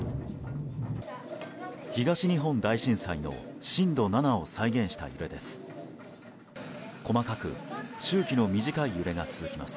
東日本大震災の震度７を再現した揺れです。